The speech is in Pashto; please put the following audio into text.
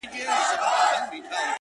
• څښل مو تويول مو شرابونه د جلال ـ